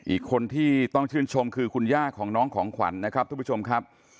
อีกคนที่ต้องชื่นชมคือคุณย่าของน้องของขวัญนะครับทุกผู้ชมครับ